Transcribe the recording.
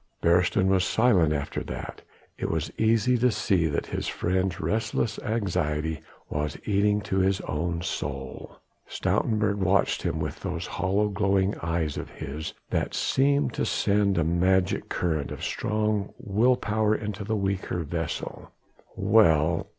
Beresteyn was silent after that. It was easy to see that his friend's restless anxiety was eating into his own soul. Stoutenburg watched him with those hollow glowing eyes of his that seemed to send a magnetic current of strong will power into the weaker vessel. "Well!